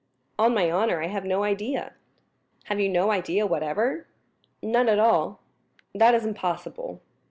"On my honor, I have no idea." "Have you no idea whatever?" "None at all." "That is impossible."